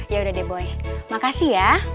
ya udah deh boy makasih ya